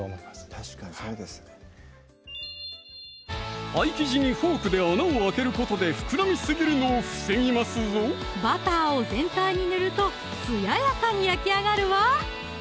確かにそうですねパイ生地にフォークで穴を開けることで膨らみすぎるのを防ぎますぞバターを全体に塗ると艶やかに焼きあがるわ！